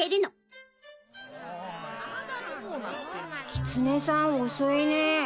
キツネさん遅いね。